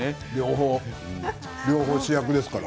両方、主役ですから。